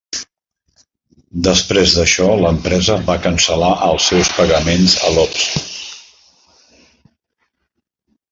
Després d'això, l'empresa va cancel·lar els seus pagaments a Iops.